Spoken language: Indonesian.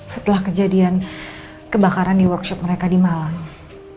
setelah kejadian kebakaran di workshop mereka di jawa tenggara ya pak